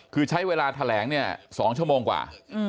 คือใช้เวลาแถลงเนี่ย๒ชั่วโมงกว่า